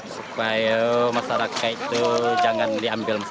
supaya masyarakat itu jangan diambil masyarakat